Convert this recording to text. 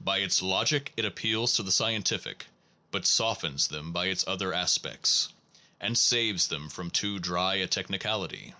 By its logic it appeals to the scientific; but softens them by its other aspects, and saves them from too dry a technicality.